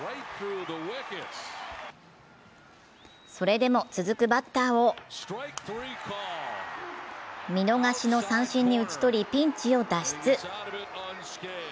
それでも続くバッターを見逃しの三振に打ち取りピンチを脱出。